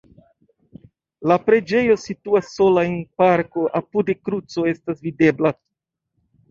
La preĝejo situas sola en parko, apude kruco estas videbla.